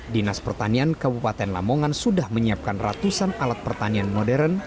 dinas pertanian kabupaten lamongan sudah menyiapkan ratusan alat pertanian modern